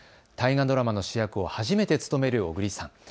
大河ドラマの主役を初めて務める小栗さん。